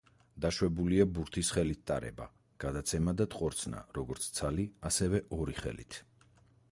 დაშვებულია ბურთის ხელით ტარება, გადაცემა და ტყორცნა, როგორც ცალი, ასევე ორი ხელით.